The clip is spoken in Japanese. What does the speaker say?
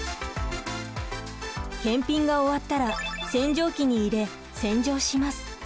検品が終わったら洗浄機に入れ洗浄します。